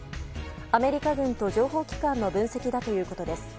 アメリカ軍と情報機関の分析だということです。